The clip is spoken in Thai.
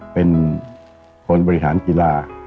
เป็นคนบริหารกีฬา